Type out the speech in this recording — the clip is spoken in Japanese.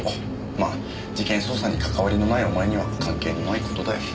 まあ事件捜査にかかわりのないお前には関係のない事だよ。